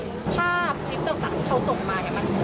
ถ้าพิกษัตริย์เขาส่งมาอย่างนั้น